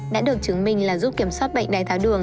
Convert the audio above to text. đã được chứng minh là giúp kiểm soát bệnh đái tháo đường